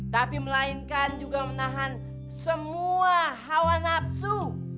tapi melainkan juga menahan semua hawa nafsu